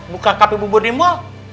buka kapi bubur di mul